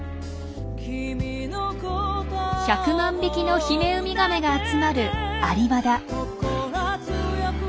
１００万匹のヒメウミガメが集まるアリバダ。